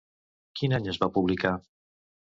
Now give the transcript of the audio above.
Quin any es va publicar?